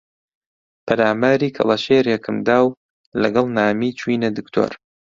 پەلاماری کەڵەشێرێکم دا و لەگەڵ نامی چووینە دکتۆر